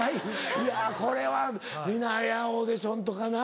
いやこれは皆オーディションとかな。